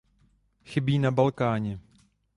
Chybí na Balkáně.